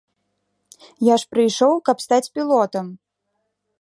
Я ж прыйшоў, каб стаць пілотам!